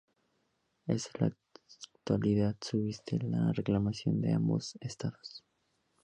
En la actualidad subsiste la reclamación de ambos estados.